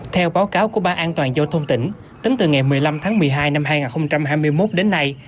theo báo cáo của ban an toàn giao thông tỉnh tính từ ngày một mươi năm tháng một mươi hai năm hai nghìn hai mươi một đến nay